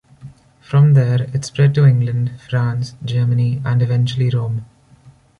From there it spread to England, France, Germany, and eventually Rome.